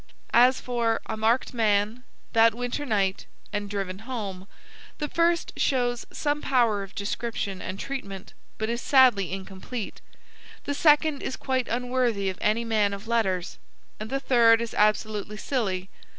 As for A Marked Man, That Winter Night, and Driven Home, the first shows some power of description and treatment, but is sadly incomplete; the second is quite unworthy of any man of letters, and the third is absolutely silly.